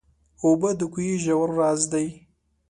اوبه د کوهي ژور راز دي.